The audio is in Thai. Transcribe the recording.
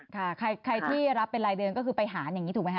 ใครที่รับเป็นรายเดือนก็คือไปหารอย่างนี้ถูกไหมค